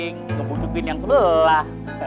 ngebujukin yang sebelah